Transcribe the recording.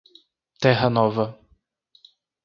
Terra Nova